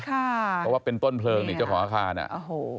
เพราะว่าเป็นต้นเพลิงจ้าของอาคารน่ะ